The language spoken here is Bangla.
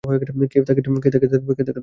কে তাকে ধার দেবে?